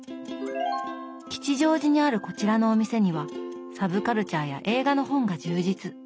吉祥寺にあるこちらのお店にはサブカルチャーや映画の本が充実。